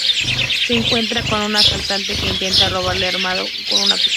Se encuentra con un asaltante que intenta robarle armado con una pistola.